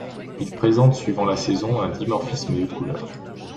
Il présente suivant la saison un dimorphisme de couleur.